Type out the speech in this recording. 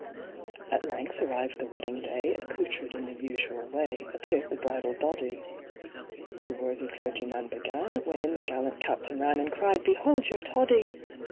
At length arrived the wedding day; Accoutred in the usual way Appeared the bridal body; The worthy clergyman began, When in the gallant Captain ran And cried, "Behold your TODDY!"